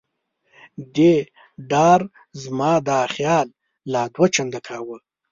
دې ډار زما دا خیال لا دوه چنده کاوه.